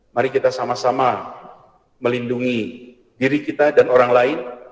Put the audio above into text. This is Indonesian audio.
mari kita sama sama melindungi diri kita dan orang lain